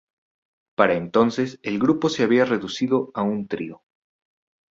Para entonces el grupo se había reducido a un trío.